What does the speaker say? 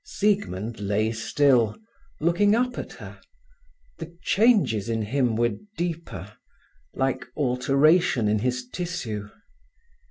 Siegmund lay still, looking up at her. The changes in him were deeper, like alteration in his tissue.